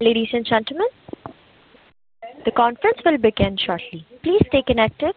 Ladies and gentlemen, the conference will begin shortly. Please stay connected.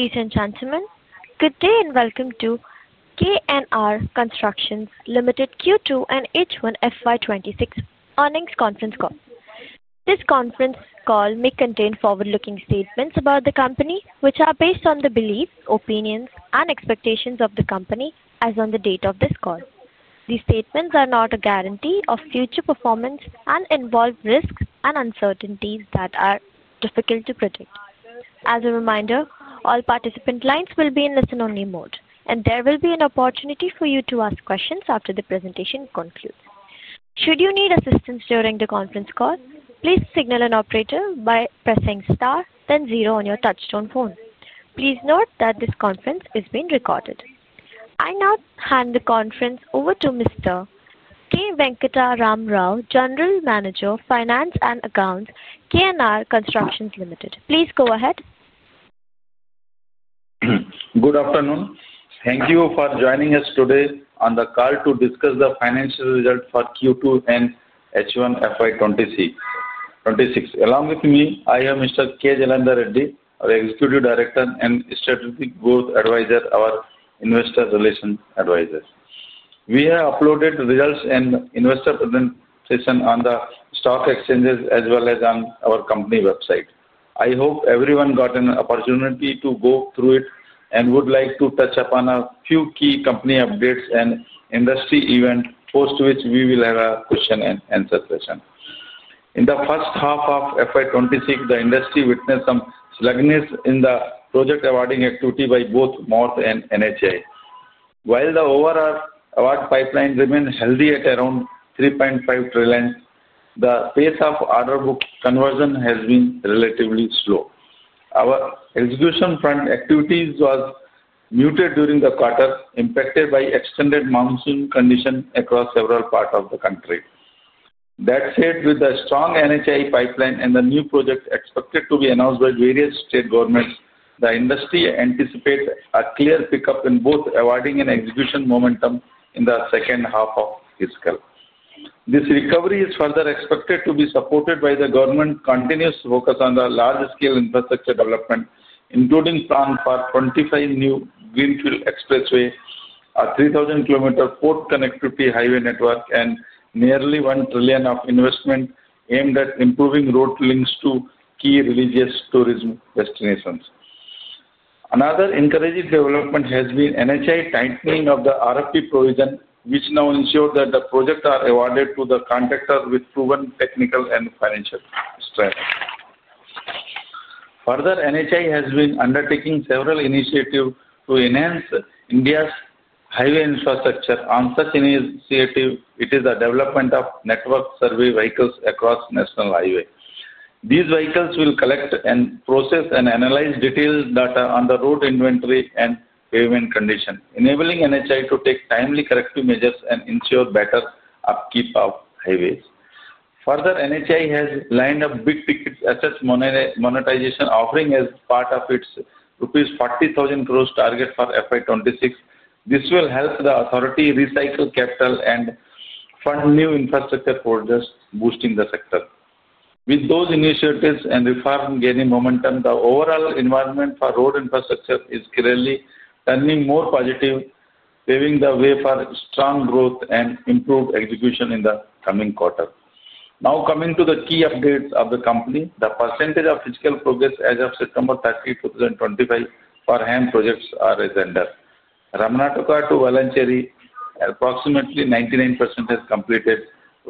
Ladies and gentlemen, good day and welcome to KNR Constructions Limited Q2 and H1 FY 2026 earnings conference call. This conference call may contain forward looking statements about the company which are based on the beliefs, opinions, and expectations of the company as on the date of this call. These statements are not a guarantee of future performance and involve risks and uncertainties that are difficult to predict. As a reminder, all participant lines will be in listen only mode and there will be an opportunity for you to ask questions after the presentation concludes. Should you need assistance during the conference call, please signal an operator by pressing star then zero on your touchstone phone. Please note that this conference is being recorded. I now hand the conference over to Mr. K. Venkata Ram Rao, General Manager of Finance and Accounts, KNR Constructions Limited. Please go ahead. Good afternoon. Thank you for joining us today on the call to discuss the financial results for Q2 and H1 FY 2026. Along with me, I am Mr. K. Jalandha Reddy, our Executive Director and Strategic Growth Advisor, our Investor Relations Advisor. We have uploaded results and investor presentation on the stock exchanges as well as on our company website. I hope everyone got an opportunity to go through it and would like to touch upon a few key company updates and industry events, post which we will have a question and answer session. In the first half of FY 2026, the industry witnessed some sluggishness in the project awarding activity by both MoRTH and NHAI. While the overall award pipeline remains healthy at around 3.5 trillion, the pace of order book conversion has been relatively slow. Our execution front activities was muted during the quarter, impacted by extended monsoon conditions across several parts of the country. That said, with the strong NHAI pipeline and the new project expected to be announced by various state governments, the industry anticipates a clear pickup in both awarding and execution momentum in the second half of fiscal. This recovery is further expected to be supported by the government continuous focus on the large scale infrastructure development including plan for 25 new greenfield expressway, a 3,000 km port connectivity highway network and nearly 1 trillion of investment aimed at improving road links to key religious tourism destinations. Another encouraging development has been NHAI tightening of the RFP provision which now ensures that the projects are awarded to the contractor with proven technical and financial strength. Further, NHAI has been undertaking several initiatives to enhance India's highway infrastructure. One such initiative is the development of network survey vehicles across National Highway. These vehicles will collect, process, and analyze detailed data on the road inventory and pavement conditions, enabling NHAI to take timely corrective measures and ensure better upkeep of highways. Further, NHAI has lined up big-ticket asset monetization offerings as part of its rupees 40,000 crores target for FY 2026. This will help the authority recycle capital and fund new infrastructure holders, boosting the sector. With those initiatives and reforms gaining momentum, the overall environment for road infrastructure is clearly turning more positive, paving the way for strong growth and improved execution in the coming quarter. Now coming to the key updates of the company, the percentage of fiscal progress as of September 30, 2025 for HAM projects are as under: Ramanathapuram to Valancheri approximately 99% has completed,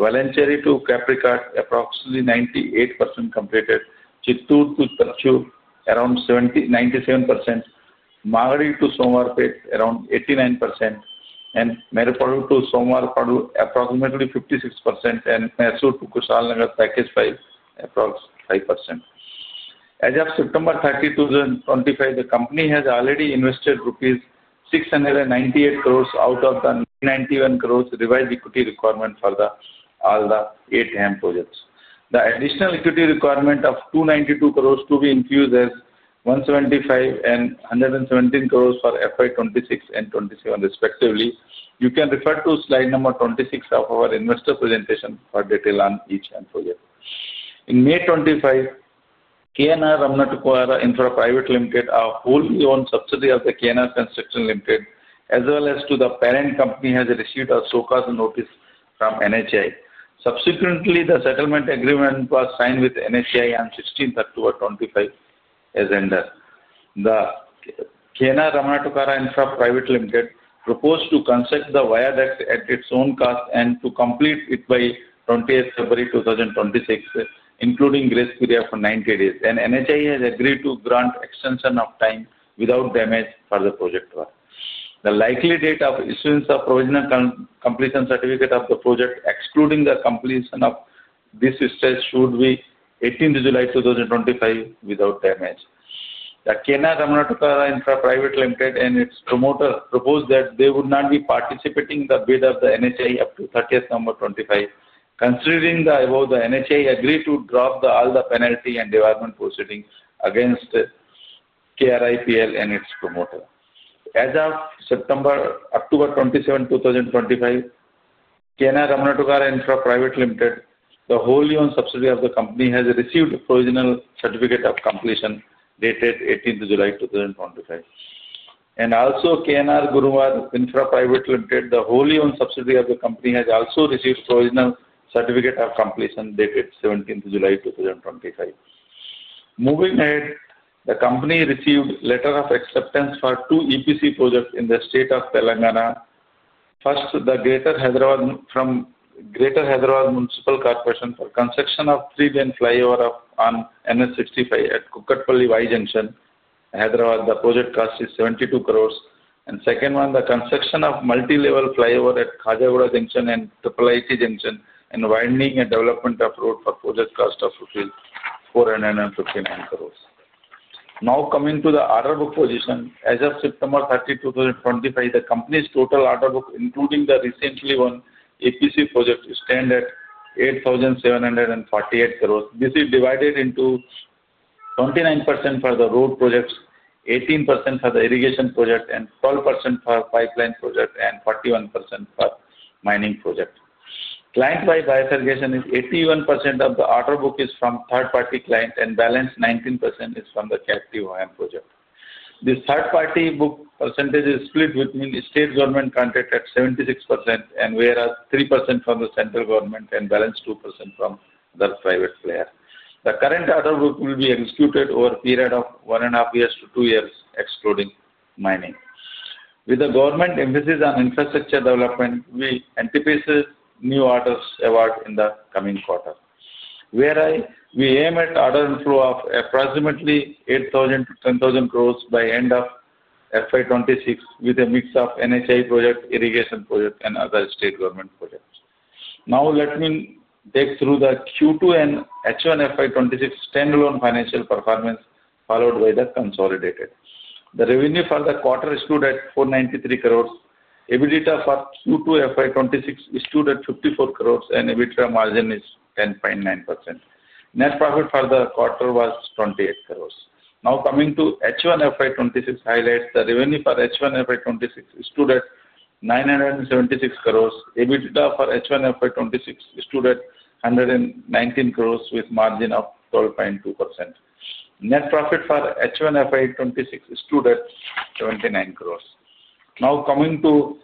Valancheri to Khajaguda approximately 98% completed, Chittur to Thakhu around 70.97%, Malari to Somar Padu around 89%, and Meripadu to Somar Padu approximately 56%, and Mysore to Kushal Nagar package 5 approximately 5% as of September 30, 2025. The company has already invested rupees 698 crore out of the 991 crore revised equity requirement for all the HAM projects. The additional equity requirement of 292 crores to be infused as 175 crores and 117 crores for FY 2026 and FY 2027 respectively. You can refer to slide number 26 of our investor presentation for detail on. Each and for year. On May 25th, KNR Ramanathapuram Kwara Infra Private Limited, a wholly owned subsidiary of KNR Constructions Limited as well as the parent company, received a so-called notice from NHAI. Subsequently, the settlement agreement was signed with NHAI on October 16th, 2025, as under the KNR Ramanathapuram Kwara Infra Private Limited proposed to construct the viaduct at its own cost and to complete it by February 20th, 2026, including a grace period of 90 days, and NHAI has agreed to grant extension of time without damages for the project work. The likely date of issuance of the provisional completion certificate of the project, excluding the completion of this stage, should be July 18th, 2025, without damages. Ramanathapuram Kwara Infra Private Limited and its promoter proposed that they would not be participating in the bid of the NHAI up to the 30th November 2025. Considering the above, the NHAI agreed to drop all the penalty and development proceedings against KNRPL and its promoter. As of September up to October 27, 2025. KNR Ramanathapuram Kwara Infra Private Limited, the wholly owned subsidiary of the company, has received provisional certificate of completion dated 18th July 2025, and also KNR Guru Infra Private Limited, the wholly owned subsidiary of the company, has also received provisional certificate of completion dated 17th July 2025. Moving ahead, the company received letter of acceptance for two EPC projects in the state of Telangana. First, from Greater Hyderabad Municipal Corporation for construction of three-lane flyover on MS 65 at Kukatpally Y Junction, Hyderabad. The project cost is 72 crores and second one the construction of multi-level flyover at Khajaguda Junction and IIIT Junction and widening and development of road for project cost of rupees 459 crore. Now coming to the order book position as of September 30th, 2025 the company's total order book including the recently won EPC project stand at 8,748 crores. This is divided into 29% for the road projects, 18% for the irrigation project, 12% for pipeline project, and 41% for mining project. Client-wise bifurcation is 81% of the order book is from third-party client and balance 19% is from the captive project. This third-party book percentage is split between state government contract at 76%, whereas 3% from the central government, and balance 2% from the private player. The current order book will be executed over a period of one and a half years to two years, excluding with the government emphasis on infrastructure development. We anticipate new orders award in the coming quarter where we aim at order inflow of approximately 8,000 crores-10,000 crores by end of FY 2026 with a mix of NHAI project, irrigation project, and other state government projects. Now let me take you through the Q2 and H1 FY 2026 standalone financial performance followed by the consolidated. The revenue for the quarter stood at 493 crore. EBITDA for Q2 FY 2026 stood at 54 crores and EBITDA margin is 10.9%. Net profit for the quarter was 28 crores. Now coming to H1 FY 2026 highlights, the revenue for H1 FY 2026 stood at 976 crores. EBITDA for H1 FY 2026 stood at 119 crores with margin of 12.2%. Net profit for H1 FY 2026 stood at 79 crores. Now coming to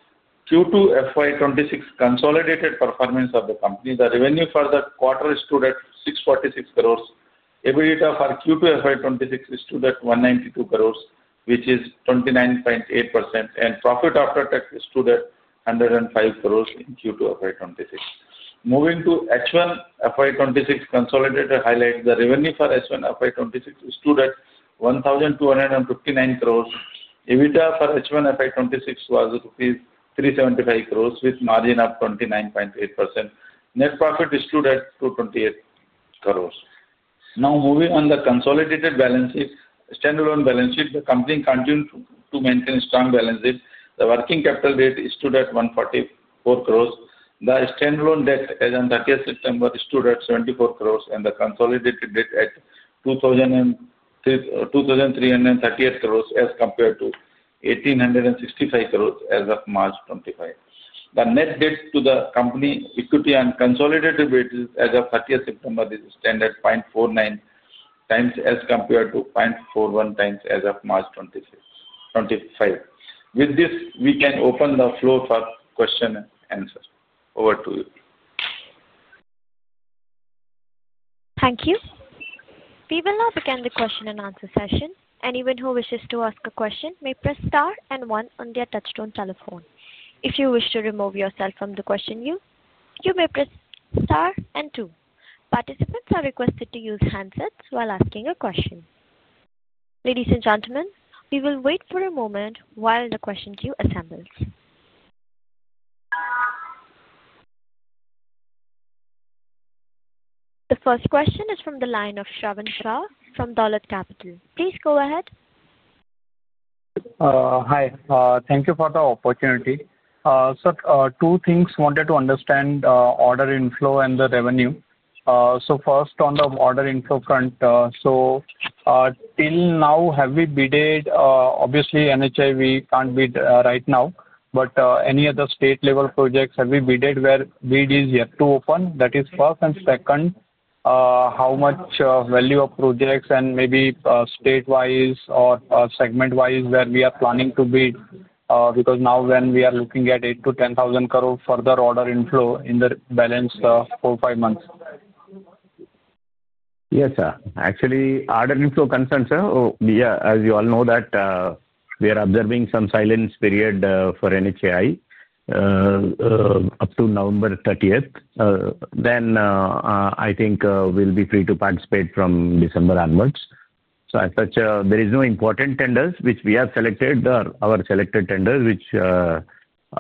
Q2 FY 2026 consolidated performance of the company, the revenue for the quarter stood at 646 crores. EBITDA for Q2 FY 2026 stood at 192 crores, which is 29.8%. Profit after tax stood at 105 crores in Q2 FY 2026. Moving to H1 FY 2026 consolidated highlights, the revenue for H1 FY 2026 stood at INR 1,259 crores. EBITDA for H1 FY 2026 was INR 375 crores with margin of 29.8%. Net profit stood at INR 228 crores. Now moving on, the consolidated balance sheet. Standalone balance sheet. The company continued to maintain strong balance sheet. The working capital rate stood at 144 crores. The standalone debt as on 30th September stood at 74 crores. The consolidated debt at 2,338 crores as compared to 1,865 crore as of March 25th. The net debt to the company, equity and consolidated rates as of 30th September, this stand at 0.49x as compared to 0.41x as of March 25th. With this, we can open the floor for question and answer. Over to you. Thank you. We will now begin the question and answer session. Anyone who wishes to ask a question may press star and one on their touchtone telephone. If you wish to remove yourself from the question queue, you may press star and two. Participants are requested to use handsets while asking a question. Ladies and gentlemen, we will wait for a moment while the question queue assembles. The first question is from the line of Shravan Shah from Dolat Capital. Please go ahead. Hi. Thank you for the opportunity, sir. Two things wanted to understand: order inflow and the revenue. First, on the order inflow front, till now have we bidded—obviously NHAI we can't bid right now—but any other state level projects have we bidded where bid is yet to open? That is first. Second, how much value of projects, and maybe state wise or segment wise, where we are planning to bid? Because now when we are looking at 8,000 crores-10,000 crore further order inflow in the balance 4-5 months. Yes sir. Actually order inflow concerns. Yeah. As you all know that we are observing some silence period for NHAI up to November 30. I think we will be free to participate from December onwards. As such there is no important tenders which we have selected. Our selected tenders which are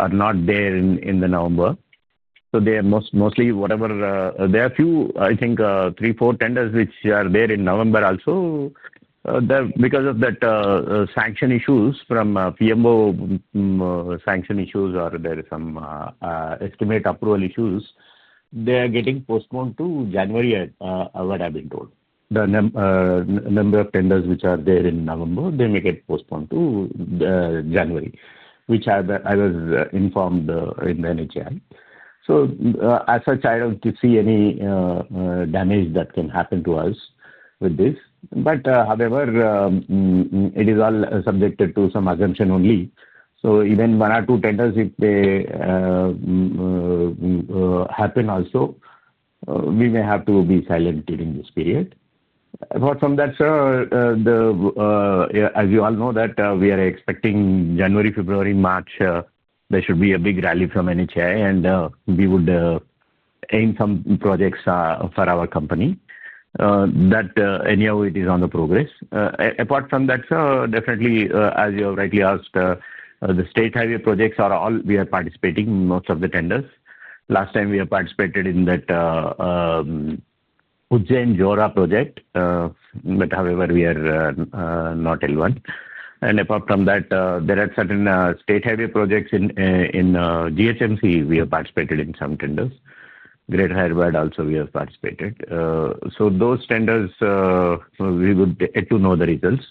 not there in the November. They are mostly, whatever, there are few, I think three, four tenders which are there in November also. Because of that sanction issues from PMO, sanction issues, or there is some estimate approval issues, they are getting postponed to January. What I have been told, the number of tenders which are there in November, they may get postponed to January, which I was informed in the NHAI. As such, I do not see any damage that can happen to us with this. However, it is all subjected to some assumption only. So even one or two tenders, if. They. Happen also we may have to be silent during this period. Apart from that sir, as you all know that we are expecting January, February, March there should be a big rally from NHAI and we would aim some projects for our company that anyhow it is on the progress. Apart from that definitely as you rightly asked the state highway projects are all. We are participating most of the tenders. Last time we have participated in that Ujjain Johora project but however we are not L1 and apart from that there are certain state highway projects in GH we have participated in some tenders, Greater Hyderabad also we have participated, so those tenders we would get to know the results.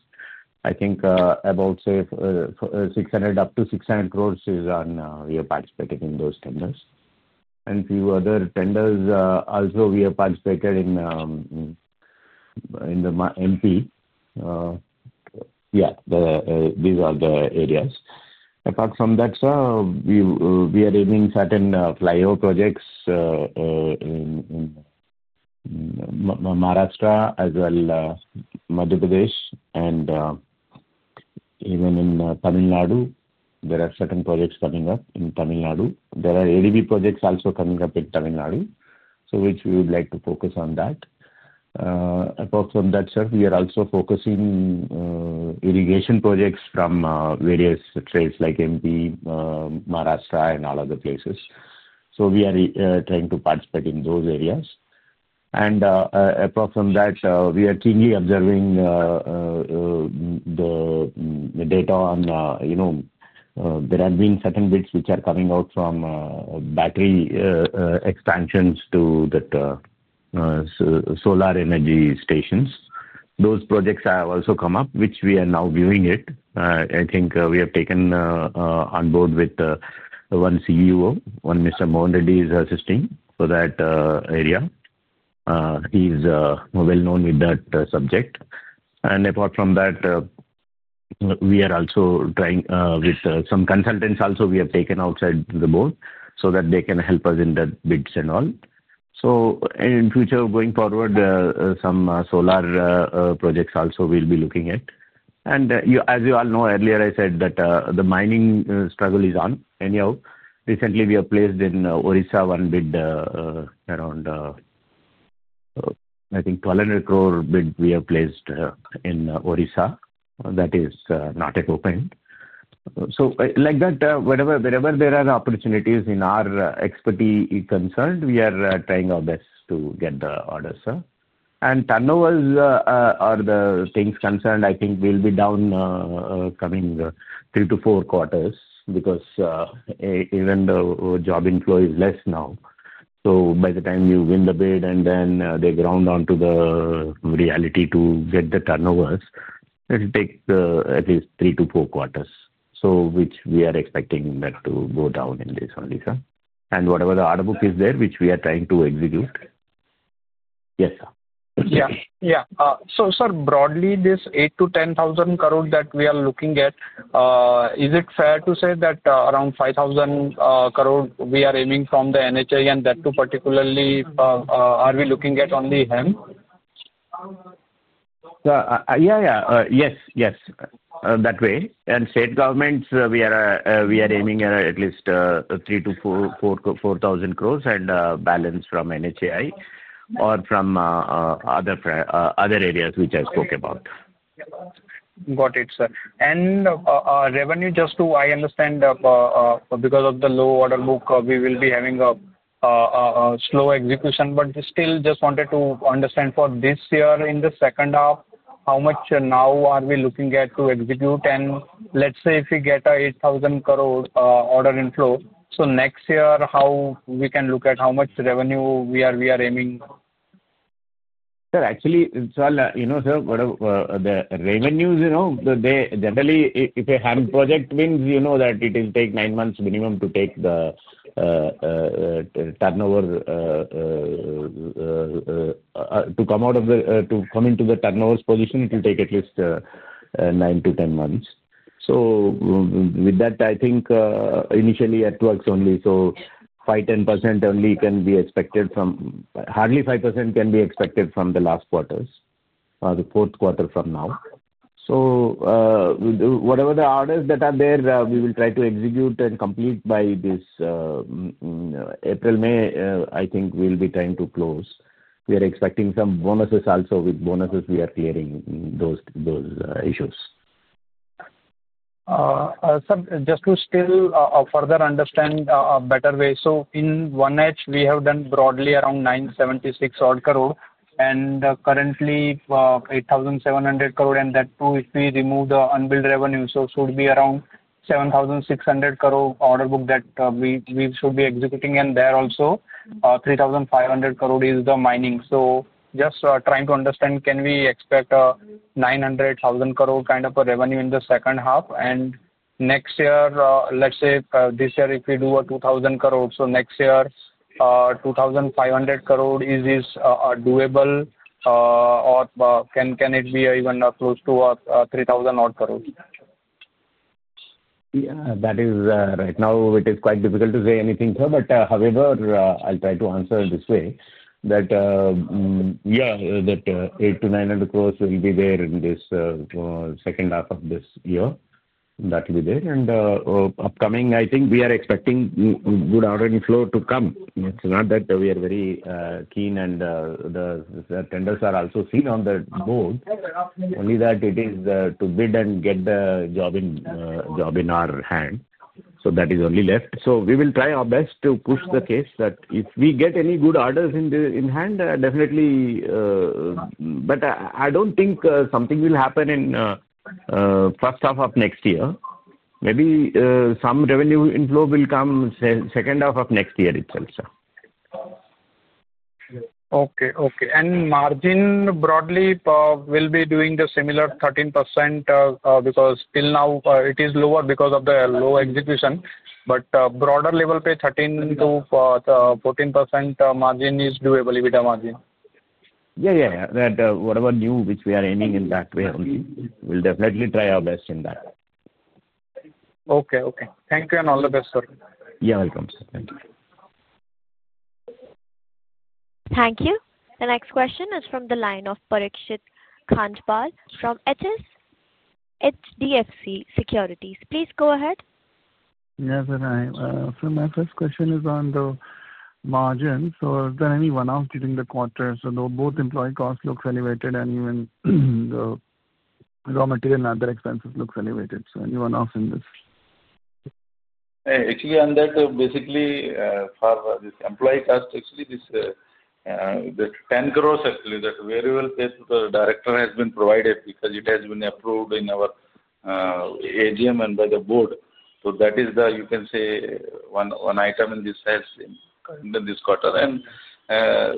I think about say 600 crores, up to 600 crores is on. We are participating in those tenders and few other tenders also we have participated in the MP. Yeah, these are the areas. Apart from that, sir, we are aiming certain flyover projects in Maharashtra as well, Madhya Pradesh, and even in Tamil Nadu. There are certain projects coming up in Tamil Nadu. There are ADB projects also coming up in Tamil Nadu, which we would like to focus on. Apart from that, sir, we are also focusing on irrigation projects from various states like MP, Maharashtra, and all other places. We are trying to participate in those areas. Apart from that, we are keenly observing the data on, you know, there have been certain bids which are coming out from battery expansions to that solar energy stations. Those projects have also come up, which we are now viewing. I think we have taken on board with one CEO, one Mr. Mohan Reddy is assisting for that area. He's well known with that subject. Apart from that, we are also trying with some consultants also we have taken outside the board so that they can help us in the bids and all. In future, going forward, some solar projects also we'll be looking at. As you all know, earlier I said that the mining struggle is on. Anyhow, recently we have placed in Odisha one bid around 1,200 crore bid we have placed in Odisha that is not yet opened. Like that, whenever there are opportunities in our expertise concerned, we are trying our best to get the order, sir. Turnovers are the things concerned, I think, will be down coming three to four quarters because even though job inflow is less now, by the time you win the bid and then they ground onto the reality to get the turnovers, it will take at least three to four quarters. We are expecting that to go down in this only, sir. Whatever the order book is there, which we are trying to execute. Yes, yeah. Sir, broadly this 8,000 crores-10,000 crores that we are looking at, is it fair to say that around 5,000 crores we are aiming from the NHAI and that too particularly, are we looking at only HAM? Yes, that way. State governments, we are aiming at at least 3,000 crores-4,000 crores and balance from NHAI or from other areas which I spoke about. Got it, sir. Revenue, just to understand, because of the low order book we will be having a slow execution. Still, just wanted to understand for this year in the second half how much now are we looking at to execute, and let's say if we get an 8,000 crores order inflow, next year how can we look at how much revenue we are aiming. Actually it's all you know sir, the revenues, you know they generally if a HAM project means you know that it will take nine months minimum to take the turnover to come out of the, to come into the turnover's position it will take at least nine to 10 months. With that I think initially it works only so 5%-10% only can be expected from. Hardly 5% can be expected from the last quarters or the fourth quarter from now. Whatever the orders that are there we will try to execute and complete by this April May I think we'll be trying to close. We are expecting some bonuses also, with bonuses we are clearing those, those. Just. To still further understand a better way. In one H we have done broadly around 976 crores and currently 8,700 crores. If we remove the unbilled revenue, the source would be around 7,600 crores order book that we should be executing. There also 3,500 crores is the mining. Just trying to understand, can we expect a 900 crores-1,000 crores kind of revenue in the second half and next year, let's say this year if we do 2,000 crores, so next year 2,500 crores, is this doable or can it be even close to 3,000 crores? Yeah, that is right. Now it is quite difficult to say anything, however, I'll try to answer this way. That. Yeah. That 800 crores-900 crores will be there in this second half of this year. That will be there and upcoming. I think we are expecting good ordering flow to come. It's not that we are very keen. The tenders are also seen on the board only that it is to bid and get the job in our hand. That is only left. We will try our best to push the case that if we get any good orders in hand. Definitely. I don't think something will happen in the first half of next year. Maybe some revenue inflow will come in the second half of next year itself. Sir. Okay. Okay. Margin broadly will be doing the similar 13%. Because till now it is lower because of the low execution. But broader level pay, 13%-14% margin is doable. EBITDA margin. Yeah, yeah. That whatever new which we are ending in that way, we'll definitely try our best in that. Okay. Okay. Thank you and all the best. Thank you. The next question is from the line of Parikshit Kandpal from HDFC Securities. Please go ahead. Yes, my first question is on the margin. Is there any one off during the quarter? Both employee cost looks elevated and even the raw material and other expenses looks elevated. So anyone else in this. Actually on that basically for this employee cost actually this 10 crores actually that variable paid to the director has been provided because it has been approved in our AGM and by the board. That is the, you can say, one item in this has this quarter and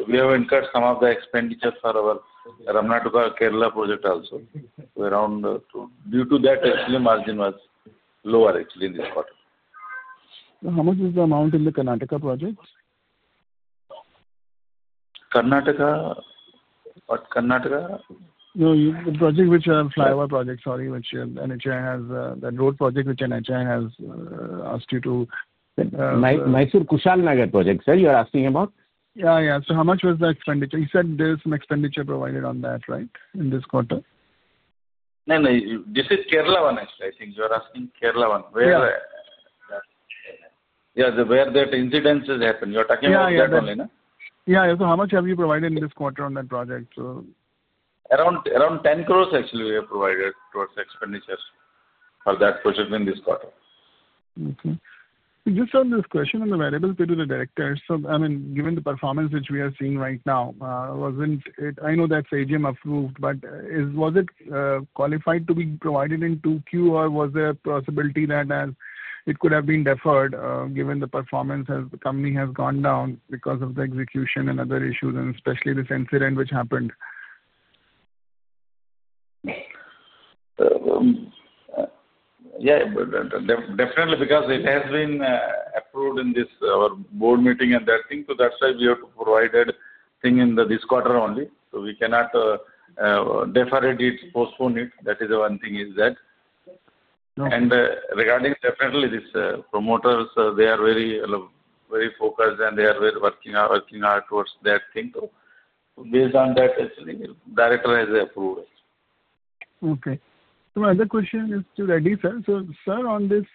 we have incurred some of the expenditure for our Kerala project also around due to that margin was lower actually in this quarter. How much is the amount in the Karnataka project? Karnataka. Karnataka. No, the project which are flyover project. Sorry, which NHAI has that road project. Which NHAI has asked you to. Mysore Kushal Nagar project? Sir, you are asking about. Yeah. Yeah. How much was that expenditure? He said there's some expenditure provided on that. Right. In this quarter. This is Kerala one I think you're asking. Kerala one. Yeah. Where that incidences happen. You're talking. Yeah. How much have you provided in this quarter on that project? Around 10 crores. Actually, we have provided towards expenditures for that project in this quarter. Just on this question on the variable to the directors. I mean given the performance which we are seeing right now. I know that's AGM approved, but was it qualified to be provided in 2Q or was there a possibility that it could have been deferred given the performance as the company has gone down because of the execution and other issues, and especially this incident which happened. Yeah, definitely because it has been approved in this board meeting and that thing. That is why we have provided thing in this quarter only. We cannot defer it, postpone it. That is the one thing, and regarding definitely these promoters, they are very, very focused and they are working, working hard towards that thing. Based on that, actually director has approved. Okay. The question is to Reddy sir. So sir, on this,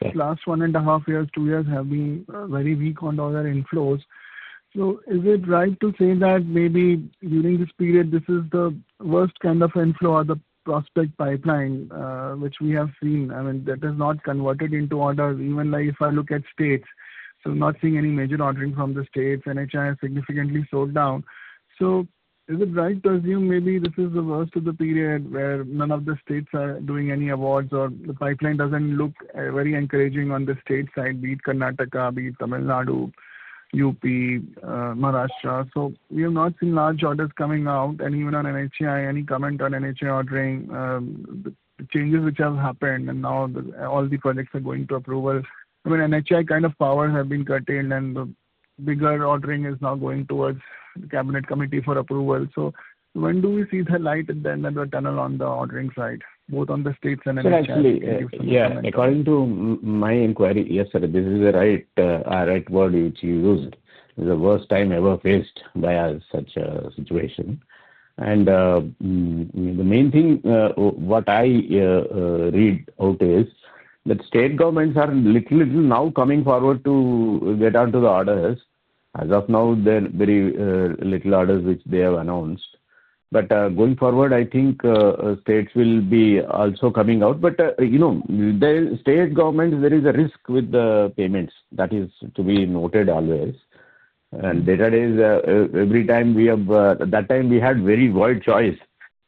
this last one and a half years, two years have been very weak on dollar inflows. Is it right to say that maybe during this period this is the worst kind of inflow of the prospect pipeline which we have seen? I mean, that has not converted into orders. Even, like, if I look at states, not seeing any major ordering from the states. NHAI significantly slowed down. Is it right to assume maybe this is the worst of the period where none of the states are doing any awards or the pipeline does not look very encouraging on the state side, be it Karnataka, be it Tamil Nadu, up Maharashtra? We have not seen large orders coming out and even on NHAI, any comment on NHAI ordering changes which have happened and now all the projects are going to approval? I mean, NHAI kind of power has been curtailed and the bigger ordering is now going towards Cabinet Committee for approval. When do we see the light at the end of the tunnel on the ordering side? Both on the states. According to my inquiry. Yes sir. This is the right, right word which you used, the worst time ever faced by such a situation. The main thing what I read out is that state governments are little now coming forward to get onto the orders. As of now there are very little orders which they have announced. Going forward I think states will be also coming out. You know, the state government, there is a risk with the payments, that is to be noted always, and data is every time we have that time we had very void choice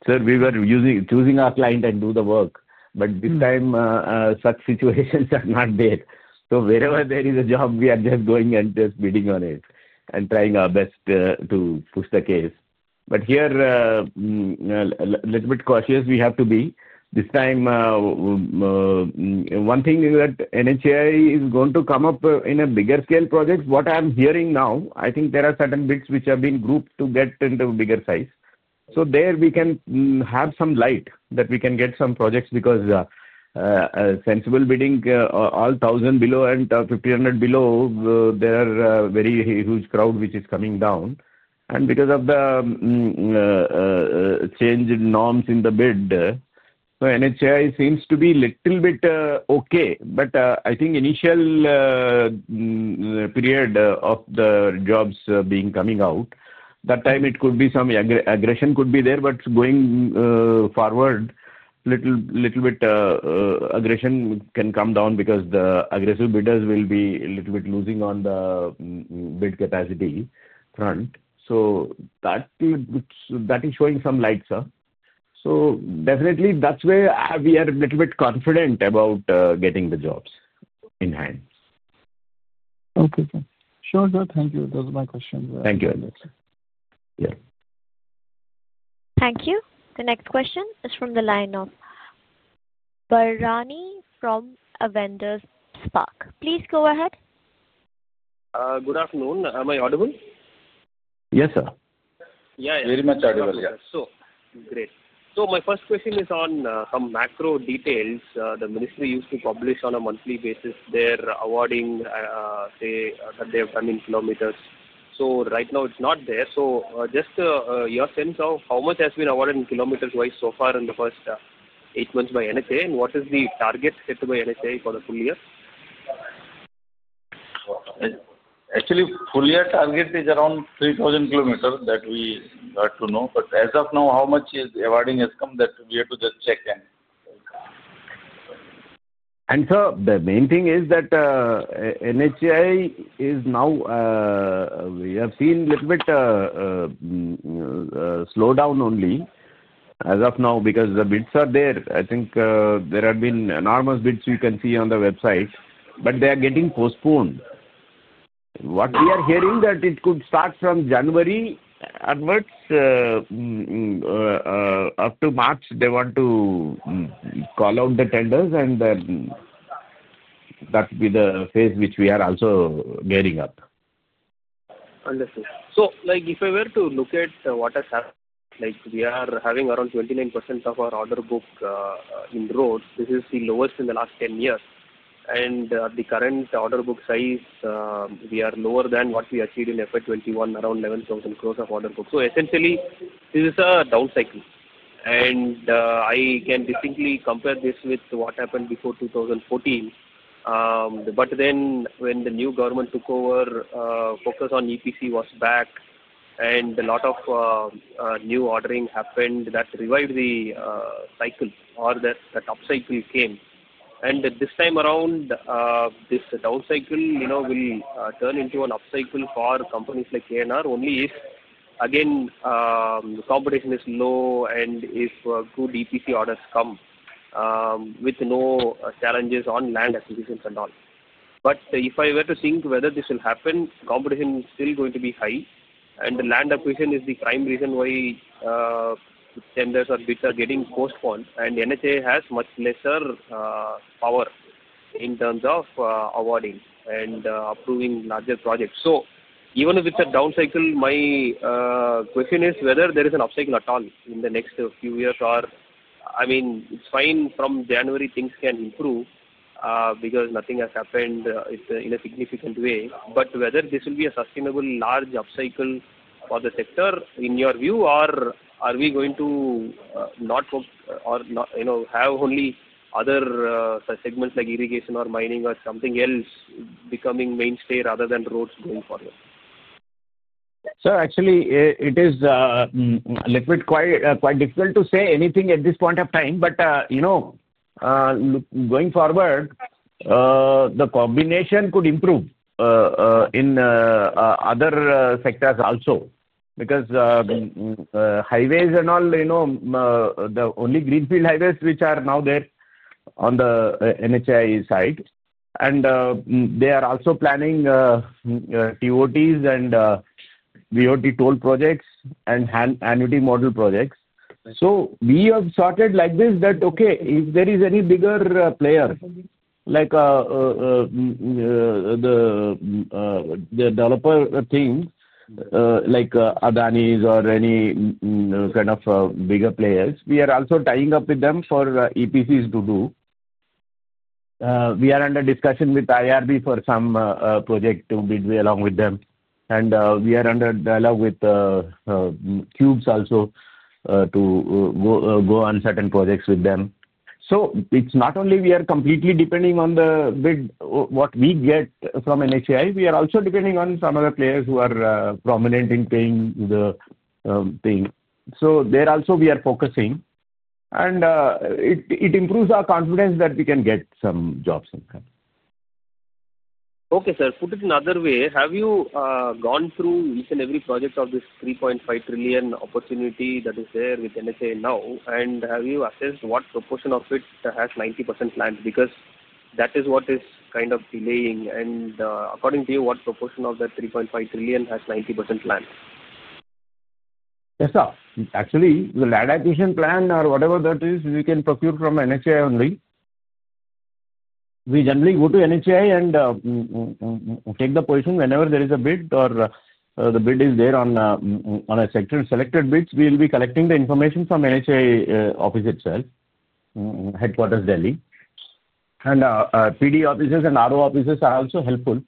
sir. We were using, choosing our client and do the work. This time such situations are not there. Wherever there is a job we are just going and just bidding on it and trying our best to push the case. Here, little bit cautious we have to be this time. One thing is that NHAI is going to come up in a bigger scale project. What I am hearing now, I think. There are certain bits which have been grouped to get into a bigger size. There we can have some light that we can get some projects because sensible bidding all thousand below and 1,500 below. There is a very huge crowd which is coming down. Because of the. Change in norms in the bid, NHAI seems to be a little bit okay. I think initial period of the jobs being coming out that time, it could be some aggression could be there. Going forward, little bit aggression can come down because the aggressive bidders will be a little bit losing on the bid capacity front. That is showing some light, sir. Definitely that's where we are. Little bit confident about getting the jobs in hand. Okay, sure sir. Thank you. That's my question. Thank you. Yeah. Thank you. The next question is from the line of Bharani from Avendus Spark. Please go ahead. Good afternoon. Am I audible? Yes, sir. Yeah, very much audible. So, Great. My first question is on some macro details the ministry used to publish on a monthly basis. They're awarding, say, they have done in kilometers. Right now it's not there. Just your sense of how much has been awarded in kilometers wise so far in the first eight months by NHAI and what is the target set by NHAI for the full year? Actually, full year target is around 3,000 km that we got to know. As of now, how much is awarding has come, that we have to just check. The main thing is that NHAI is now, we have seen a little bit of slowdown only as of now because the bids are there. I think there have been enormous bids you can see on the website, but they are getting postponed. What we are hearing is that it could start from January onwards up to March. They want to call out the tenders and that will be the phase which we are also gearing up. Like if I were to look at what has happened, we are having around 29% of our order book in roads. This is the lowest in the last 10 years. The current order book size, we are lower than what we achieved in FY 2021, around 11,000 crores of order book. Essentially, this is a down cycle. I can distinctly compare this with what happened before 2014. When the new government took over, focus on EPC was back and a lot of new ordering happened that revived the cycle or that upcycle came. This time around, this down cycle, you know, will turn into an upcycle for companies like KNR only if again the competition is low and if good EPC orders come with no challenges on land acquisitions and all. If I were to think whether this will happen, competition is still going to be high and the land acquisition is the prime reason why tenders or bids are getting postponed and NHAI has much lesser power in terms of awarding and approving larger projects. Even if it is a down cycle, my question is whether there is an upcycle at all in the next few years or I mean it is fine from January things can improve because nothing has happened in a significant way. Whether this will be a sustainable large upcycle for the sector in your view or are we going to not, you know, have only other segments like irrigation or mining or something else becoming mainstay rather than roads going forward. Actually, it is a little bit, quite, quite difficult to say anything at. This point of time. You know, going forward the combination could improve in other sectors also because highways and all, you know, the only. Greenfield highways which are now there are. On the NHAI side and they are also planning TOTs and BOT toll projects and annuity model projects. We have started like this. That okay, if there is any bigger player like the developer, things like Adani's or any kind of bigger players. We are also tying up with them. For EPCs to do. We are under discussion with IRB for some project to midway along with them, and we are under dialogue with Cube Highways also to go on certain projects with them. It is not only we are completely depending on the bid what we get from NHAI, we are also depending on some other players who are prominent in paying the thing. There also we are focusing, and it improves our confidence that we can get some jobs income. Okay sir, put it in other way. Have you gone through each and every project of this 3.5 trillion opportunity that is there within the now and have you accessed what proportion of it has 90% plan? Because that is what is kind of delaying. According to you what proposal of that 3.5 trillion has 90% plan? Yes sir. Actually, the LAD addition plan or whatever that is, we can procure from NHAI only. We generally go to NHAI and take the position whenever there is a bid or the bid is there on a sector, selected bids. We will be collecting the information from NHAI office itself, headquarters, Delhi, and PD offices and RO offices are also helpful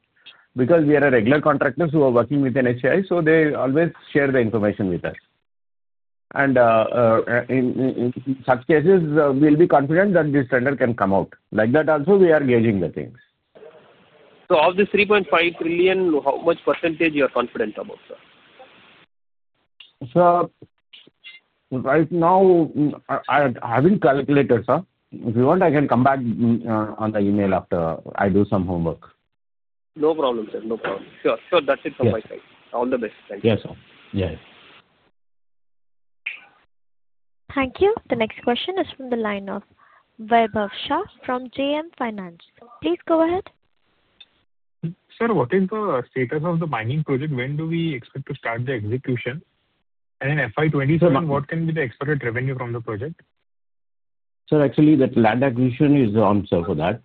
because we are regular contractors who are working with NHAI, so they always share the information with us. In such cases, we will be confident that this tender can come out like that. Also, we are gauging the things. Of the 3.5 trillion, how much % are you confident about. Sir? Right now I haven't calculated, sir. If you want, I can come back on the email after I do some homework. No problem. That's it. All the best. Yes. Yes. Thank you. The next question is from the line of Vaibhav Shah from JM Financial. Please go ahead. Sir. What is the status of the mining project? When do we expect to start the execution? In FY 2027 what can be the exported revenue from the project? Actually, that land acquisition is on. Sir. For that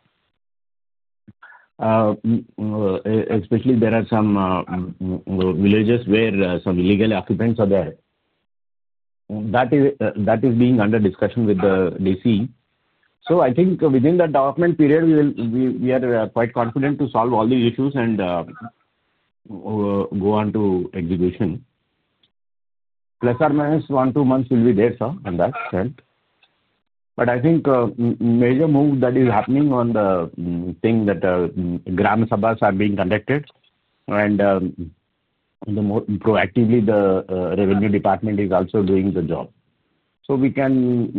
especially there are some villages where some illegal occupants are there. That is being under discussion with the DC. I think within the document period we are quite confident to solve all these issues and go on to execution. Plus or minus 12 months will be there sir on that. I think major move that is happening on the thing that grammar Sabhas are being conducted. The more proactively the revenue department is also doing the job. We can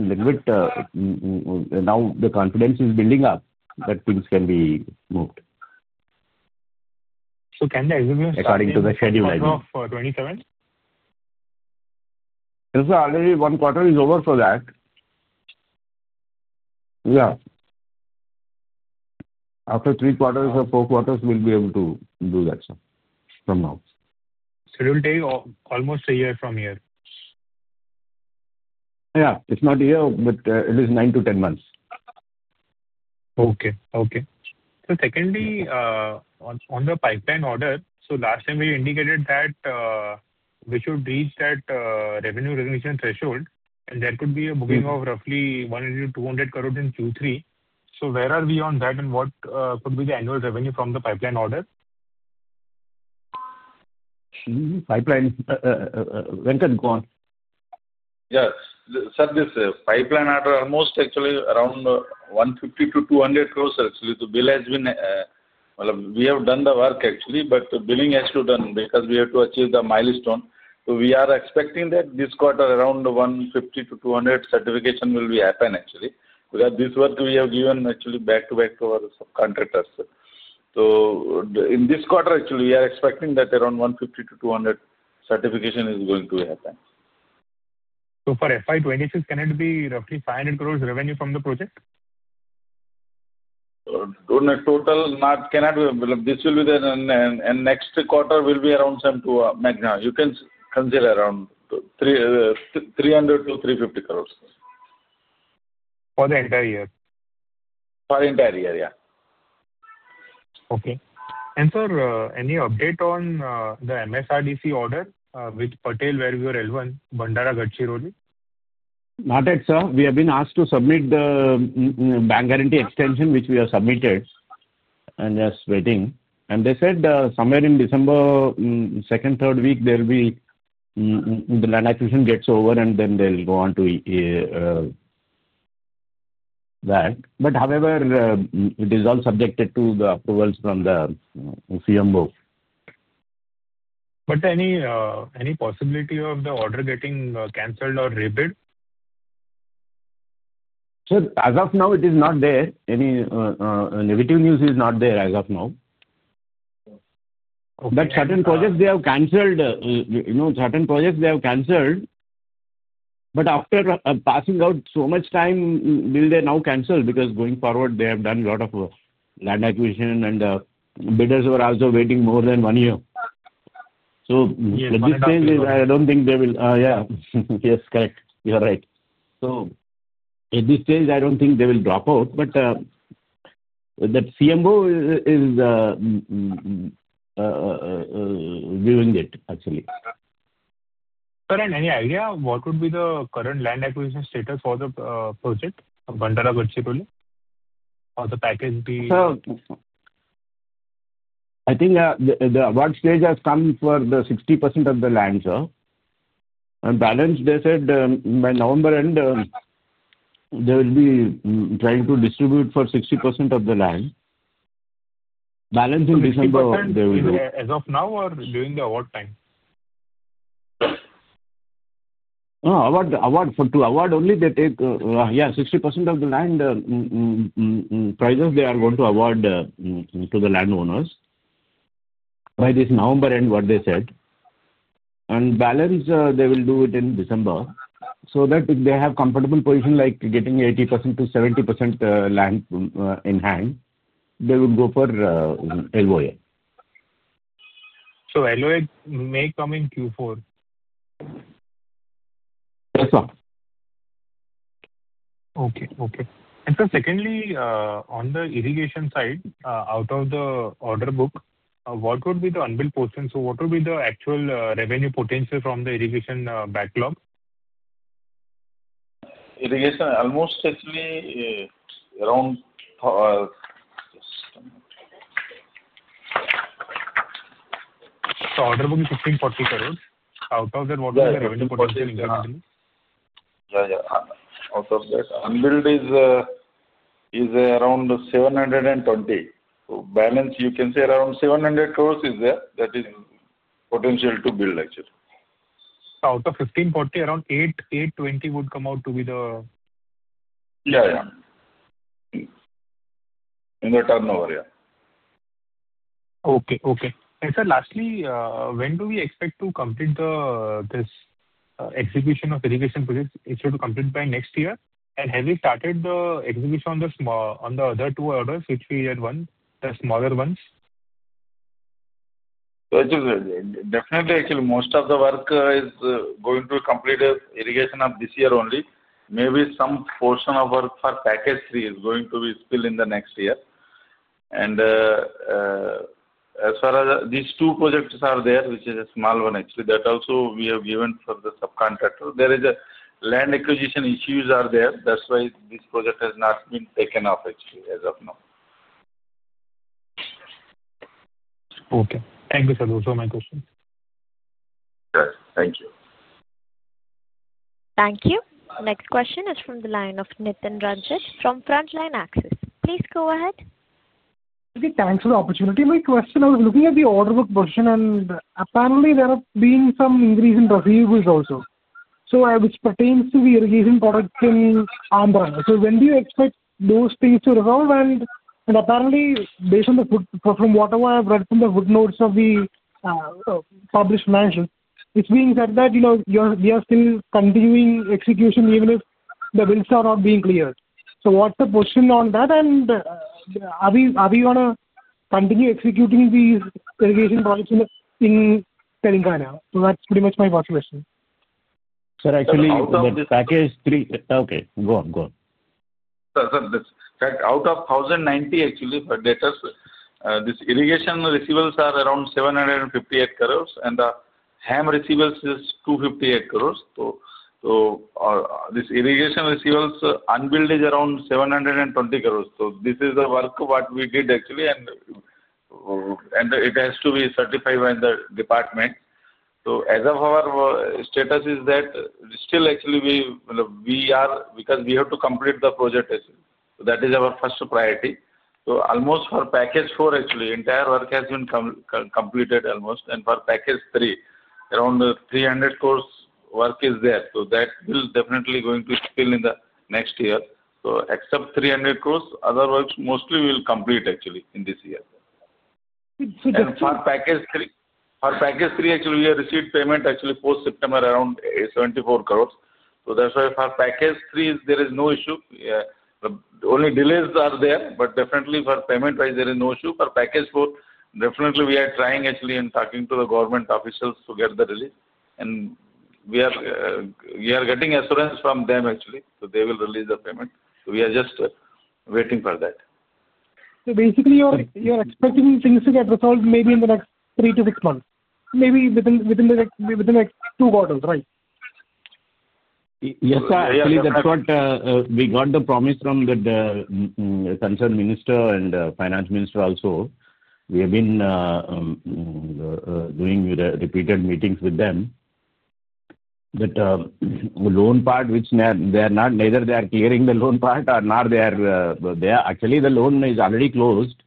now the confidence is building up that things can be moved. Can the exhibition. According to the schedule. For 27th? 1/4 is over for that. Yeah. After third quarter or fourth quarter we'll be able to do that. From now. It'll take almost a year from here. Yeah, it's not here but it is nine to 10 months. Okay. Okay. Secondly, on the pipeline order, last time we indicated that we should reach that revenue recognition threshold, and that could be a booking of roughly 10,020,000,000 in Q3. Where are we on that, and what could be the annual revenue from the pipeline order? Pipeline, Venkata go on. Yes sir. This pipeline order almost actually around 150 crores-200 crores. Actually the bill has been. We have done the work actually but the billing has to be done because we have to achieve the milestone. We are expecting that this quarter around 150 crores-200 crores certification will happen. Actually because this work we have given actually back to back to our subcontractors. In this quarter actually we are expecting that around 150 crores-200 crores certification. Is going to happen. For FY 2026 can it be roughly 500 crores revenue from the project. Total Not cannot. This will be there. Next quarter will be around seven to eight mega. You can consider around 300 crores-350 crores. For the entire year? For entire year yeah. Okay. Sir, any update on the MSRDC order with Patel where we were L1? Not that, sir. We have been asked to submit the bank guarantee extension, which we have submitted, and just waiting, and they said somewhere in December, second, third week, there will be the land acquisition gets over, and then they'll go on to that. However, it is all subjected to the approvals from the. Any possibility of the order getting cancelled or repaid? As of now it is not there. Any negative news is not there as of now. Certain projects they have canceled, you know, certain projects they have canceled. After passing out so much time, will they now cancel? Because going forward they have done a lot of work. Land acquisition and bidders were also waiting more than one year. I do not think they will. Yeah. Yes, correct. You are right. At this stage I do not think they will drop out, but that CMO. Is. Viewing it actually. Any idea what would be the current land acquisition status for the project or the package? I think the one stage has come for the 60% of the land, sir, and balance they said by November and they will be trying to distribute for 60% of the land balance in December. As of now or during the what time? Time to award only they take, yeah. 60% of the land prices they are going to award to the landowners by this November. What they said, and balance they will do it in December, so that if they have comfortable position like getting 70%-80% land in hand, they will go for LoA. LoA may come in Q4. Yes sir. Okay. Okay. Secondly, on the irrigation side, out of the order book, what would be the unbilled portion? What will be the actual revenue potential from the irrigation backlog? Irrigation almost certainly around. Yeah yeah. Out of that unbilled is around 720 crores. Balance, you can say around 700 crores is there that is potential to build actually. Out of 1,540 crores around 800 crores-820 crores would come out to be the. Yeah. In return over here. Okay. Okay. Sir, lastly, when do we expect to complete this exhibition of irrigation, complete by next year? Have we started the exhibition on the other two orders which we had won, the smaller ones? Definitely. Actually, most of the work is going to complete a irrigation of this year only. Maybe some portion of work for package three is going to be spill in the next year. As far as these two projects are there, which is a small one actually, that also we have given for the subcontractor. There is a land acquisition issues are there. That's why this project has not been taken off actually as of now. Okay, thank you sir. Also my question. Thank you. Thank you. Next question is from the line of Nithin Ranjit from [Frontline Access]. Please go ahead. Thanks for the opportunity. My question, I was looking at the order book version. Apparently, there have been some increase in proceedings also, which pertains to the irrigation project in and around. When do you expect those things to resolve? Apparently, based on the, from whatever I have read from the footnotes of the published mention, it's being said that, you know, we are still continuing execution even if the bills are not being cleared. What's the question on that? Are we gonna continue executing these irrigation projects in Telangana? That's pretty much my first question. Sir actually, the package three. Okay, go on, go. Out of 1,090 crores actually for debtors this irrigation receivables are around 758 crore. And HAM receivables is 258 crores. This irrigation receivables unbilled is around 720 crores. This is the work what we did actually. It has to be certified by the department. As of our status is that still. Actually we are. Because we have to complete the project that is our first priority. Almost for package four actually entire work has been completed almost. For package three around 300 crores work is there. That will definitely going to fill in the next year. Except 300 crores other works mostly will complete. Actually in this year our package three actually we have received payment actually post September around 74 crore. That's why for package three there is no issue. Only delays are there. Definitely for payment wise there is no issue for package four. Definitely. We are trying actually in talking to the government officials to get the relief. We are getting assurance from them actually. They will release the payment. We are just waiting for that. Basically you're expecting things to get resolved maybe in the next three to six months. Maybe within. Within the next two quarters, right? Yes. That is what we got the promise from the concerned minister and finance minister. Also, we have been doing repeated meetings with them. That loan part, which they are not, neither they are clearing the loan part or not, they are there. Actually, the loan is already closed.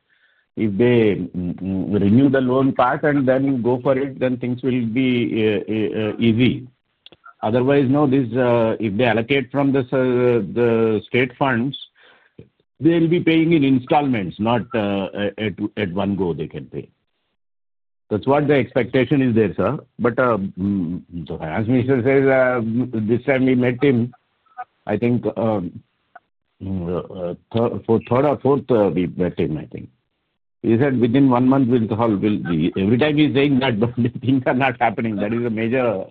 If they renew the loan part and then go for it, then things will be easy. Otherwise, no, this. If they allocate from this, the state funds, they will be paying in installments. Not at one go they can pay. That is what the expectation is there, Sir. As Mr. says, this time we met him, I think for the third or fourth. I think he said within one month we will call. Every time he is saying that things are not happening, that is a major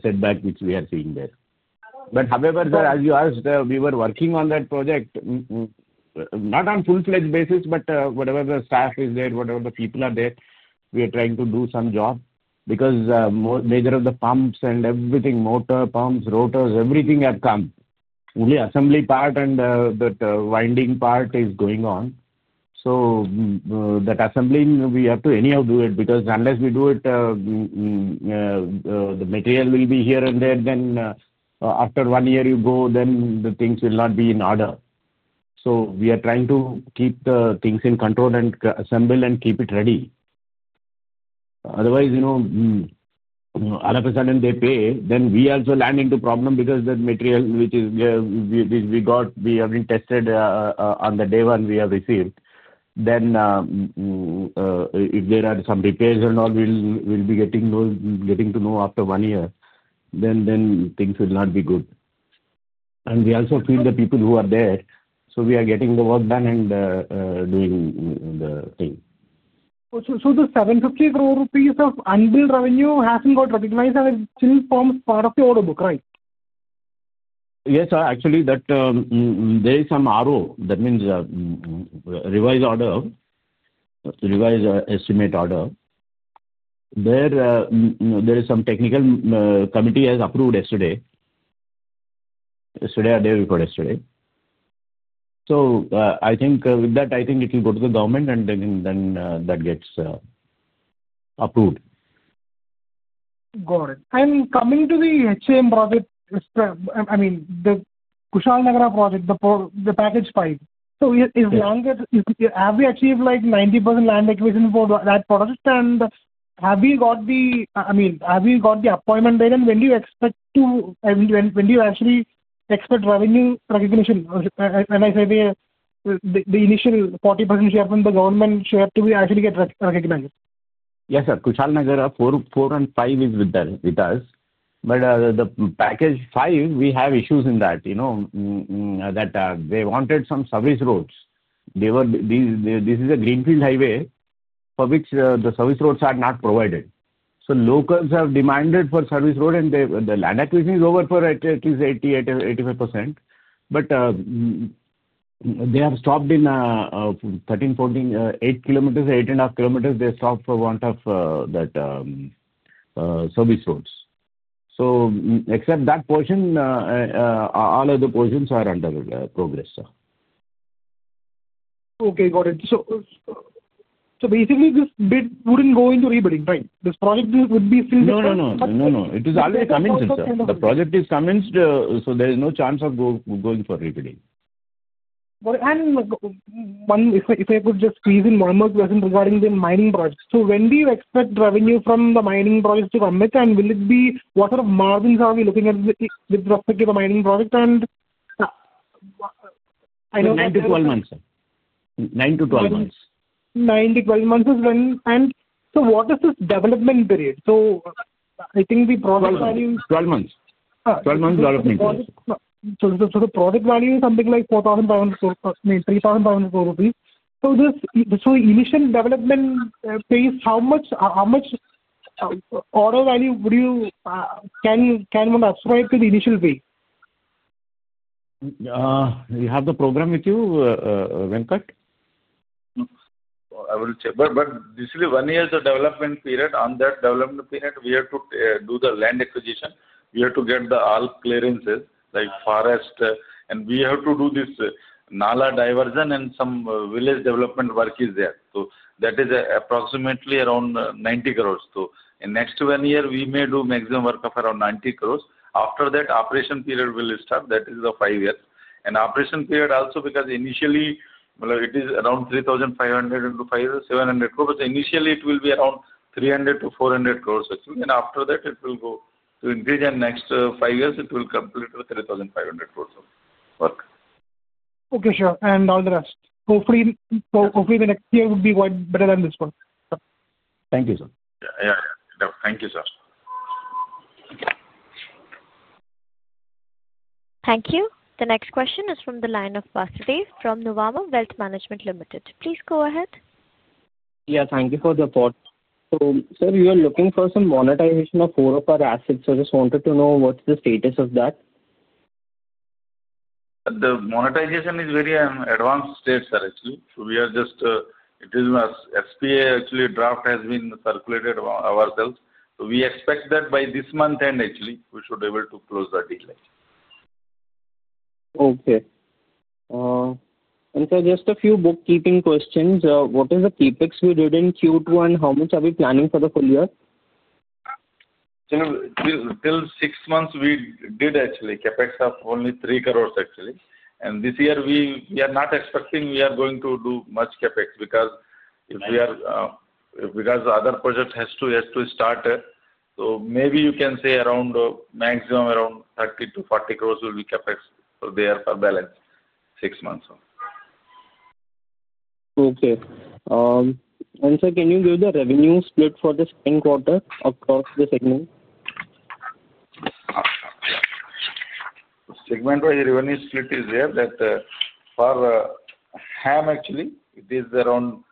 setback which we are seeing there. However, as you asked, we were working on that project not on full fledged basis. But whatever the staff is there, whatever the people are there, we are trying to do some job. Because major of the pumps and everything, motor pumps, rotors, everything have come. Only assembly part and that winding part is going on. So that assembling we have to anyhow do it. Because unless we do it, the material will be here and there. After one year you go, the things will not be in order. We are trying to keep the things in control and assemble and keep it ready. Otherwise, you know, all of a sudden they pay, then we also land into problem. Because that material which is we got, we have been tested on the day one we have received. Then if there are some repairs and all we'll. will be getting those. Getting to know after one year. Then things will not be good. We also feel the people who are there. We are getting the work done and doing the thing. The 750 crores rupees piece of unbilled revenue has not got recognized. It still forms part of the order book, right? Yes. Actually that. There is some RO. That means revised order, revised estimate order. There is some technical committee has approved yesterday, yesterday or day before yesterday. I think with that I think it will go to the government and then that gets approved. Got it. Coming to the same project, I mean the Kushal Nagar project, the package five. As long as, have we achieved like 90% land acquisition for that project, and have we got the, I mean, have you got the appointment there? When do you expect to, when do you actually expect revenue recognition? When I say the initial 40% share from the government share to be actually get recognized. Yes sir. Kushal Nagar 4, 4 and 5 is with us. The package 5, we have issues in that. You know that they wanted some service roads. This is a greenfield highway for which the service roads are not provided. Locals have demanded for service road. The land acquisition is over for at least 80-85%. They have stopped in 13, 14, 8 km, 8 and a half kilometers. They stopped for want of that service roads. Except that portion, all other portions are under progress. Okay, got it. So. Basically this bid wouldn't go into rebuilding, right? This project would be filled. No, no. It is already coming. The project is commenced. There is no chance of going for rebuilding. One. If I could just squeeze in one more question regarding the mining projects. When do you expect revenue from the mining projects to come in and what sort of margins are we looking at with respect to the mining project? I know nine to 12 months. Nine to 12 months. Nine to 12 months is when, and so what is this development period? I think the product value 12 months. 12 months. The project value is something like INR 4,000 crores-INR 3,000 crores. Initial development pays how much, how much auto value would you can, can one subscribe to the initial week. You have the program with you? Venkata? I will say, but this will be one year, the development period. On that development period, we have to do the land acquisition, we have to get all the clearances like forest, and we have to do this nala diversion, and some village development work is there. That is approximately around 90 crores. In the next one year, we may do maximum work of around 90 crores. After that, operation period will start. That is five years, and operation period also, because initially it is around 3,500 crores into 5, 700 crores. Initially, it will be around 300 crores-400 crores, and after that, it will go to engage, and next five years, it will complete with 3,500 crore of work. Okay, sure. All the rest. Hopefully the next year would be better than this one. Thank you, sir. Thank you, sir. Thank you. The next question is from the line of [Pasin] from Nuvama Wealth Management Limited. Please go ahead. Yeah, thank you for the support, sir. We were looking for some monetization of four of our assets, so just wanted. To know what's the status of that. The monetization is very advanced. States are actually, so we are just, it is SPA actually, draft has been circulated ourselves, so we expect that by this month actually we should be able to close the deal. Okay, and just a few bookkeeping questions. What is the CapEx we did in Q2 and how much are we planning? For the full year. Till six months we did actually CapEx of only 3 crores actually and this year we are not expecting we are going to do much CapEx because if we are because other project has to has to start, so maybe you can say around maximum around 30 crores-40 crores will be CapEx there for balance six months. Okay, can you give the revenue split for the second quarter across the segment? Segment wise revenue split is there that for HAM actually it is around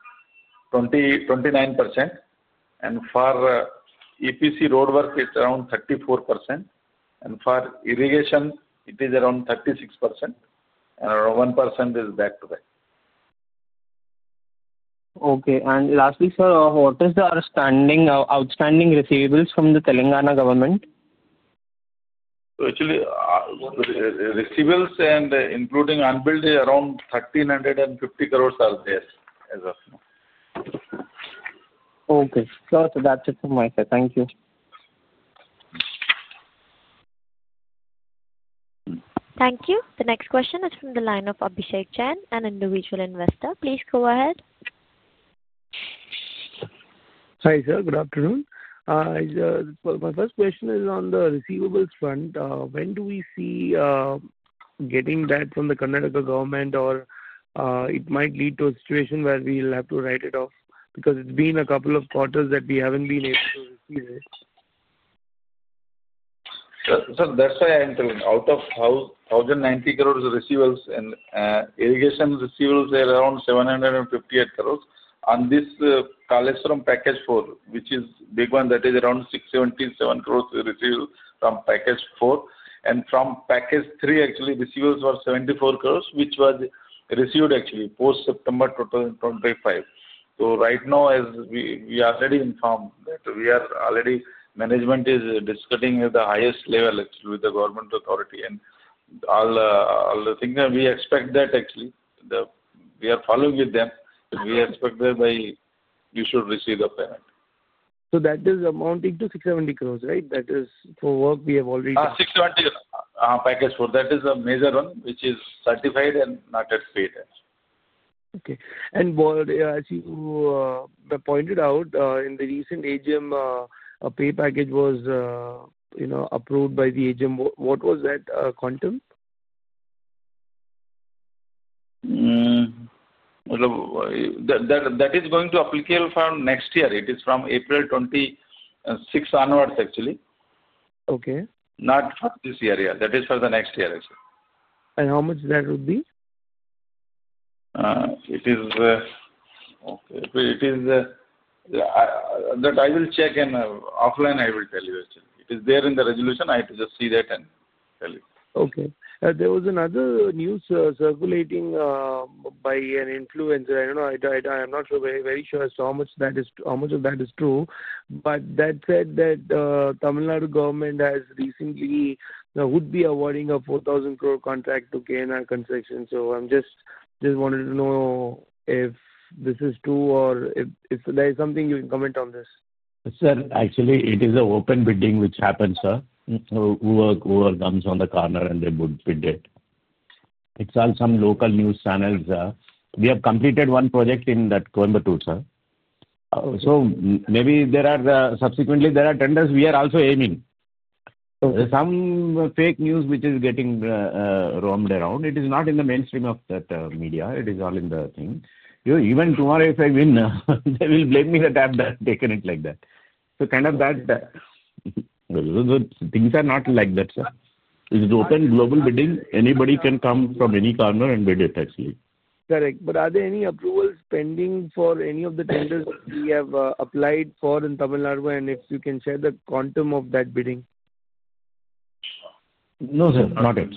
20%-29% and for EPC road work it's around 34% and for irrigation it is around 36% and around 1% is back to the. Okay. Lastly sir, what is the outstanding receivables from the Telangana government? Receivables and including unbilled around 1,350 crores are there. Okay, so that's it from my side. Thank you. Thank you. The next question is from the line of Abhishek Jain, an individual investor. Please go ahead. Hi sir. Good afternoon. My first question is on the receivables front. When do we see getting that from the Karnataka government? Or it might lead to a situation where we'll have to write it off. Because it's been a couple of quarters that we haven't been able. That's why I introduced out of house 1,090 crores receivables and irrigation receivables around 758 crores. On this Kalesurum package four, which is big one, that is around 677 crores received from package four. And from package three, actually receivables were 74 crores which was received actually post September total in 2025. Right now as we already informed that we are already, management is discussing at the highest level with the government authority and all the things that we expect that actually we are following with them. We expect thereby you should receive the payment. That is amounting to 670 crores, right? That is for work. We have already. 600 crores package for that. Is a major one which is certified and not yet paid. Okay. And. Pointed out in the recent AGM a pay package was. You know, approved by the agent. What was that quantum? That is going to be applicable for next year. It is from April 26th onwards actually. Okay. Not for this area. That is for the next year. How much that would be? It is. It is that. I will check in offline. I will tell you it is there in the resolution. I have to just see that and tell you. Okay. There was another news circulating by an influencer. I don't know. I died. I am not very, very sure as how much that is. How much of that is true. That said, the Tamil Nadu government has recently would be awarding a 4,000 crores. Crore contract to KNR Constructions. I'm just. Just wanted to know if this is? True or if there is something you can comment on this. Sir, actually it is an open bidding which happens, sir comes on the corner and they would be dead. It is on some local news channels. We have completed one project in that Coimbatore. Maybe there are subsequently there are tenders. We are also aiming some fake news which is getting roamed around. It is not in the mainstream of that media, it is all in the thing. You know, even tomorrow if I win they will blame me that I have taken it like that. Things are not like that, sir. This is open global bidding. Anybody can come from any corner and bid it. Actually. Correct. Are there any approvals pending for any of the tenders we have applied for in Tamil Nadu? If you can share the quantum of that bidding. No sir, not it.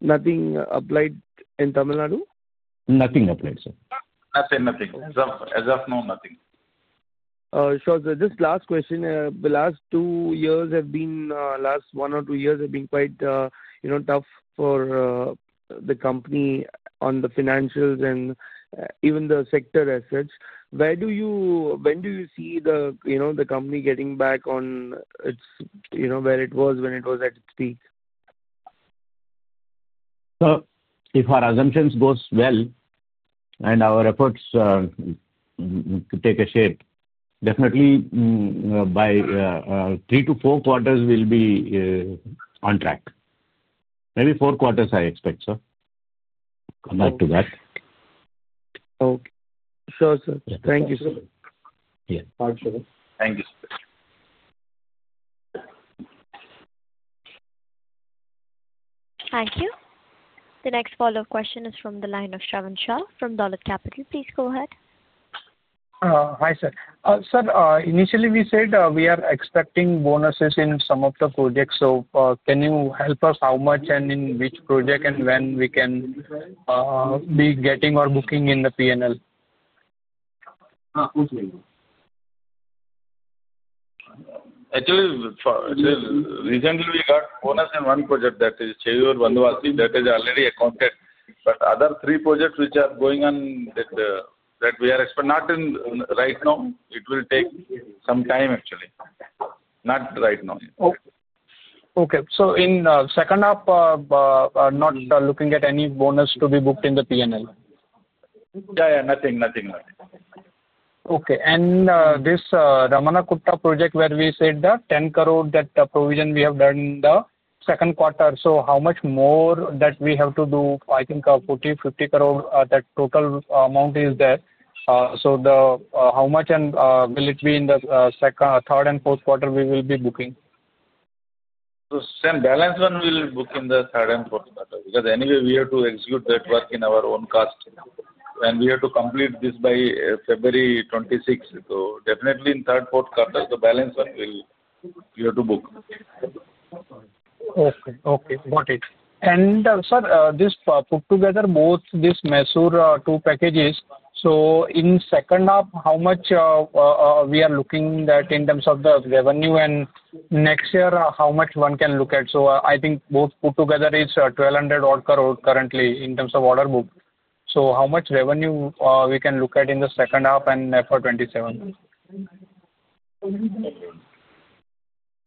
Nothing applied in Tamil Nadu. Nothing applied sir. Nothing as of now. Nothing. Sure. This last question. The last two years have been. Last one or two years have been. Quite, you know, tough for the company on the financials and even the sector as such. Where do you? When do you see the? You know the company getting back on its, you know, where it was when it. Was at its peak? If our assumptions go well and our efforts take shape, definitely by three to four quarters we'll be on track. Maybe four quarters. I expect so. Come back to that. Okay. Sure sir. Thank you. Thank you. Thank you. The next follow up question is from the line of Shravan Shah from Dolat Capital. Please go ahead. Hi sir. Initially we said we are expecting bonuses in some of the projects. Can you help us how much and in which project and when we can be getting or booking in the P&L? Actually, recently we got bonus in one project. That is already accounted. Other three projects which are going on, we are not expert in right now. It will take some time. Actually, not right now. Okay. In second up not looking at any bonus to be booked in the P&L. Yeah. Nothing. Nothing. Okay. This Ramanathapuram project where we said that 10 crores, that provision we have done in the second quarter. How much more do we have to do? I think 40 crores-50 crores, that total amount is there. How much, and will it be in the second, third, and fourth? Quarter we will be booking. Same balance. One will book in the third and fourth quarter. Because anyway we have to execute that work in our own cost. We have to complete this by February 26th. Definitely in third, fourth quarter the balance will you have to book. Okay. Okay, got it. Sir, this put together both this Mysore two packages. In second half how much we are looking that in terms of the revenue and next year how much one can look at. I think both put together is 1,200 crores currently in terms of order book. How much revenue we can look at in the second half and for 2027.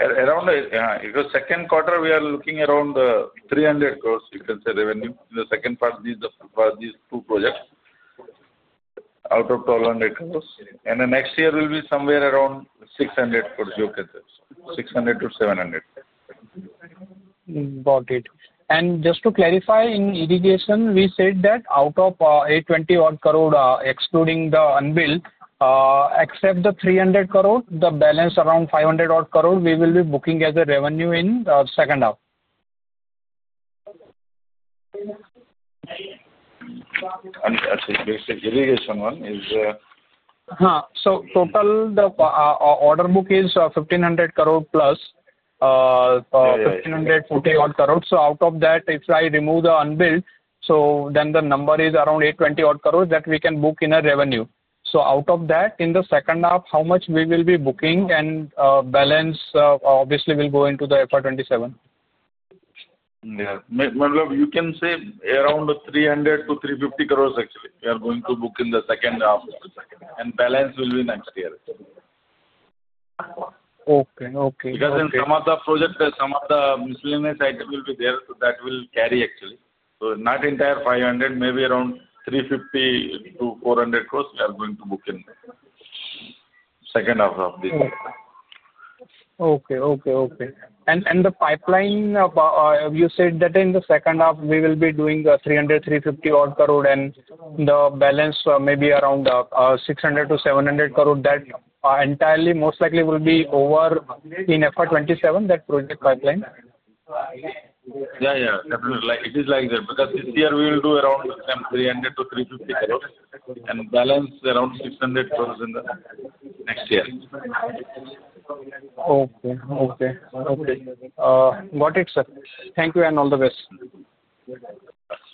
Around second quarter we are looking around 300 crores you can say revenue. The second part is the two projects out of 1,200 crores. The next year will be somewhere around 600 crores. 600 crores-700 crores. Got it. Just to clarify, in irrigation we said that out of 820 crores, excluding the unbilled, except the 300 crores, the balance around 500 crores we will be booking as revenue in the second half. The total order book is 1,500 crores plus. Out of that, if I remove the unbilled, then the number is around 820 crores that we can book as revenue. Out of that, in the second half, how much will we be booking and the balance obviously will go into the FY 2027. You can say around 300 crores-350 crores. Actually we are going to book in the second half and balance will be next year. Okay. Okay. Because in some of the project some of the miscellaneous items will be there. That will carry actually, so not entire 500 crores, maybe around 350 crores-400 crores. We are going to book in second half of this. Okay. Okay. Okay. The pipeline, you said that in the second half we will be doing 300 crores-350 crores and the balance may be around INR 600crores-INR 700 crores. That entirely most likely will be over in FY 2027, that project pipeline. Yeah, yeah. Definitely. Like it is like that. Because this year we will do around 300 crores-350 crores and balance around 600 crores in the next year. Okay. Okay. Got it sir. Thank you. All the best.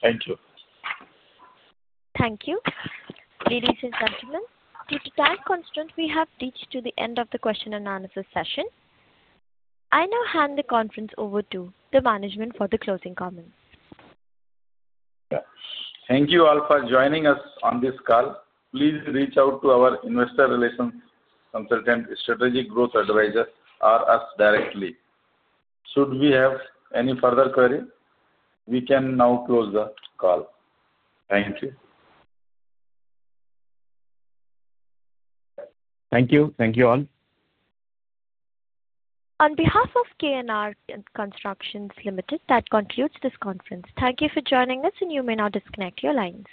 Thank you. Thank you. Ladies and gentlemen, due to time constraint we have reached to the end of the question analysis session. I now hand the conference over to the management for the closing comments. Thank you all for joining us on this call. Please reach out to our investor relations consultant Strategic Growth Advisor or us directly. Should you have any further query, we can now close the call. Thank you. Thank you. Thank you all. On behalf of KNR Constructions Limited. That concludes this conference. Thank you for joining us. You may now disconnect your lines.